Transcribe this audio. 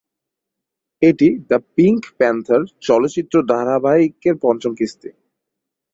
এটি "the Pink Panther" চলচ্চিত্র ধারাবাহিকের পঞ্চম কিস্তি।